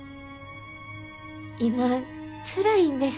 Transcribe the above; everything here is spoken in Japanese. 今つらいんです。